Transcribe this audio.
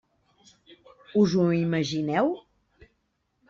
Us ho imagineu?